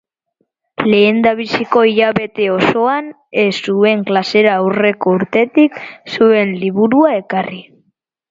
Lehendabiziko hilabete osoan ez zuen klasera aurreko urtetik zuen liburua ekarri.